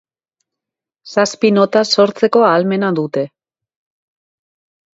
Zazpi nota sortzeko ahalmena dute.